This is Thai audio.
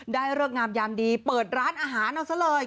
เลิกงามยามดีเปิดร้านอาหารเอาซะเลย